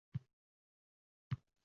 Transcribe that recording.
Mening ham sozimdir